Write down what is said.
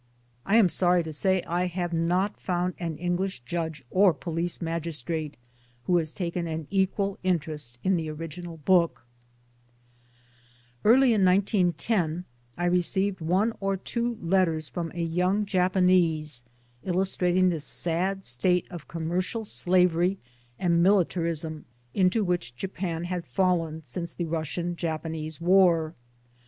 I am sorry to say I have not found an English judge or police magistrate who has taken an equal interest in the original book 1 Early in 1910 I received one or two letters from a young Japanese illustrating the sad state of com mercial slavery and militarism into which Japan had fallen since the Russo Japanese War.